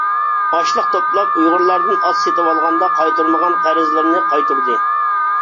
ئاشلىق توپلاپ، ئۇيغۇرلاردىن ئات سېتىۋالغاندا قايتۇرمىغان قەرزلىرىنى قايتۇردى.